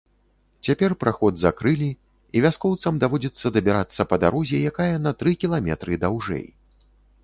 Цяпер праход закрылі, і вяскоўцам даводзіцца дабірацца па дарозе, якая на тры кіламетры даўжэй.